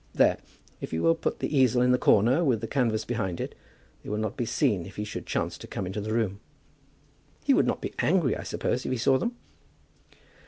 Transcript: There; if you will put the easel in the corner, with the canvas behind it, they will not be seen if he should chance to come into the room." "He would not be angry, I suppose, if he saw them?"